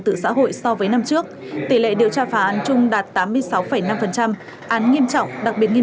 từ xã hội so với năm trước tỷ lệ điều tra phá án chung đạt tám mươi sáu năm án nghiêm trọng đặc biệt nghiêm